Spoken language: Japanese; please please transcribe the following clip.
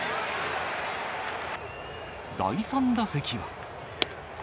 第３打席は。